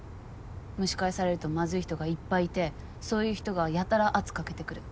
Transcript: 蒸し返されるとまずい人がいっぱいいてそういう人がやたら圧かけてくる。